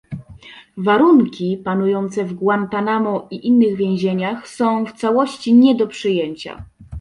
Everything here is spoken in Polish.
Warunki, panujące w Guantanamo i innych więzieniach, są w całości nie do przyjęcia